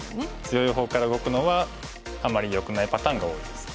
強い方から動くのはあんまりよくないパターンが多いです。